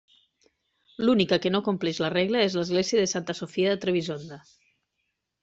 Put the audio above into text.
L'única que no compleix la regla és l'església de Santa Sofia de Trebisonda.